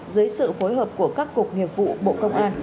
dưới sự phối hợp của các cục nghiệp vụ bộ công an